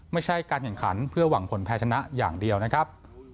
ไม่ใช่การแข่งขันเพื่อหวังผลแพ้ชนะอย่างเดียวนะครับ